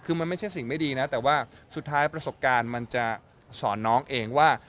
คือมันไม่ใช่สิ่งไม่ดีนะแต่ว่าสุดท้ายประสบการณ์มันจะสอนน้องเองว่า